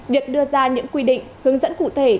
việc đưa ra những quy định hướng dẫn cụ thể